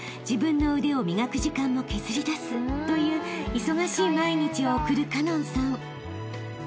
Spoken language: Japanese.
［という忙しい毎日を送る花音さん］